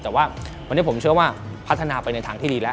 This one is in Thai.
แต่ว่าวันนี้ผมเชื่อว่าพัฒนาไปในทางที่ดีแล้ว